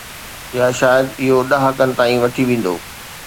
يا شايد اهو ڏهاڪن تائين وٺي ويندو.